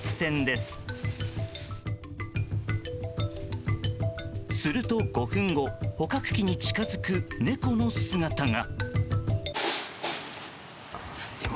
すると５分後捕獲機に近づく猫の姿が。